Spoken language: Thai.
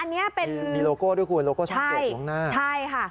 อันนี้เป็นมีโลโก้ด้วยคุณโลโก้ช่องเจ็ดอยู่ข้างหน้าใช่ค่ะ